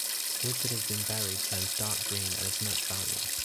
Wood that has been buried turns dark green and is much valued.